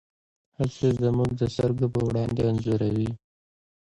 هڅې زموږ د سترګو په وړاندې انځوروي.